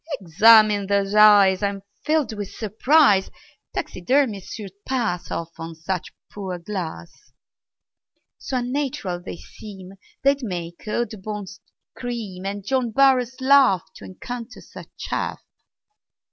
"Examine those eyes. I'm filled with surprise Taxidermists should pass Off on you such poor glass; So unnatural they seem They'd make Audubon scream, And John Burroughs laugh To encounter such chaff.